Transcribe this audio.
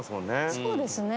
そうですね。